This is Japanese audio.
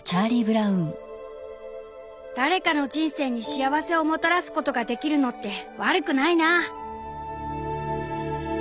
「誰かの人生に幸せをもたらすことができるのって悪くないな！」。